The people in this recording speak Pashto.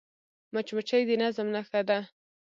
مچمچۍ د نظم نښه ده